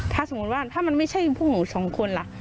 ถ้าสมมุติว่าถ้ามันไม่ใช่พวกหนูสองคนล่ะ